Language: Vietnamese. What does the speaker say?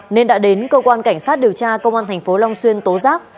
nên đã đến cơ quan cảnh sát điều tra công an thành phố long xuyên tố giác